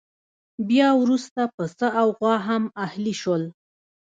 بیا وروسته پسه او غوا هم اهلي شول.